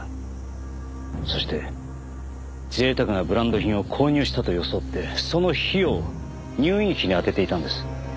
そして贅沢なブランド品を購入したと装ってその費用を入院費に充てていたんです。